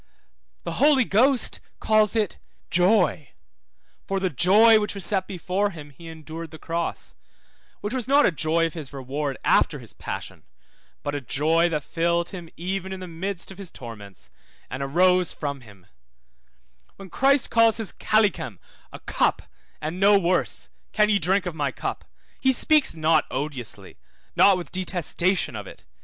The Holy Ghost calls it joy (for the joy which was set before him he endured the cross), 3333 Heb. 12:2. which was not a joy of his reward after his passion, but a joy that filled him even in the midst of his torments, and arose from him; when Christ calls his calicem a cup, and no worse (Can ye drink of my cup) 3434 Matt. 20:22. , he speaks not odiously, not with detestation of it.